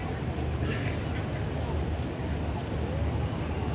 asal sekolah sma negeri dua puluh lima